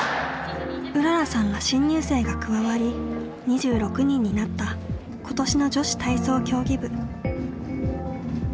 うららさんら新入生が加わり２６人になった今年の女子体操競技部。